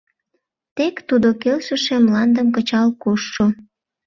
— Тек тудо келшыше мландым кычал коштшо.